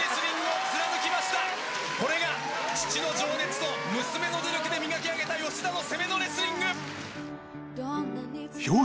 これが父の情熱と娘の努力で磨き上げた吉田の攻めのレスリング！